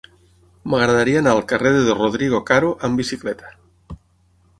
M'agradaria anar al carrer de Rodrigo Caro amb bicicleta.